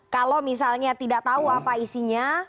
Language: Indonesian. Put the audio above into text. kalau misalnya tidak tahu apa isinya